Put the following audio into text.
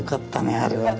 あれはね。